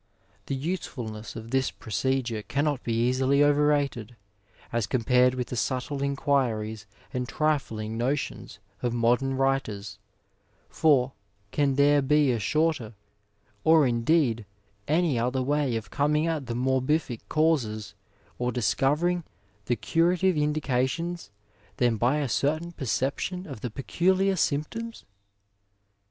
The usefulness of this procedure cannot be easily overrated, as compared with the subtle inquiries and trifling notions of modem writers, for can there be a shorter, or indeed any other way of coming at the morbific causes, or discovering the curative indications than by a certain perception of the peculiar symptoms